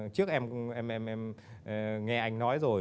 trước em nghe anh nói rồi